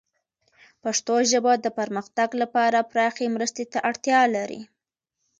پښتو ژبه د پرمختګ لپاره پراخې مرستې ته اړتیا لري.